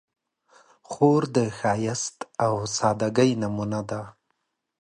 خور د ښایست او سادګۍ نمونه ده.